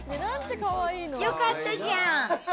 よかったじゃん。